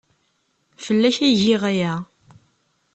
Fell-ak ay giɣ aya.